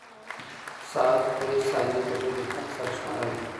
ساعت خپلې ثانیې په ډېر دقت سره شمارلې.